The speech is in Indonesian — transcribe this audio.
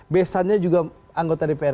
besannya juga anggota dpr